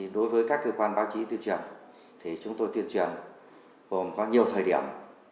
đối với các cơ quan báo chí tuyên truyền thì chúng tôi tuyên truyền gồm có nhiều thời điểm